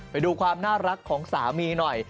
ไปดูความน่ารักของสามีหน่อย